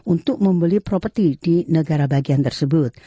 untuk membeli properti di negara bagian tersebut